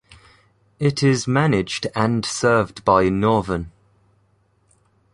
It is managed and served by Northern.